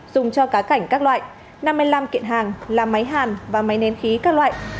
dùng cho cá cảnh các loại năm mươi năm kiện hàng là máy hàn và máy nén khí các loại